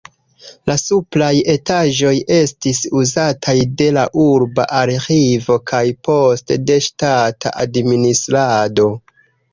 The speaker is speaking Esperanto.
La supraj etaĝoj estis uzataj de la urba arĥivo kaj poste de ŝtata administrado.